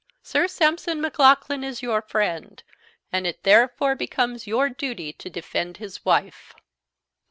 Sir Sampson Maclaughlan is your friend, and it therefore becomes your duty to defend his wife."